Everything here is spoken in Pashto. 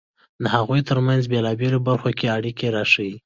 د هغوی ترمنځ په بېلابېلو برخو کې اړیکې راښيي.